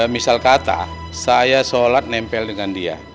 misal kata saya sholat nempel dengan dia